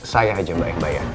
saya ajeng bayar